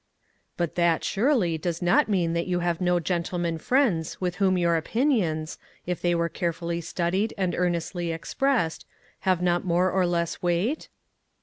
" But that, surely, does not mean that you have no gentleman friends with whom your opinions, if they are carefully studied and earnestly expressed, have not more or less weight